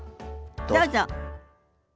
どうぞ。